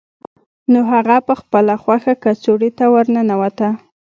نو هغه په خپله خوښه کڅوړې ته ورننوته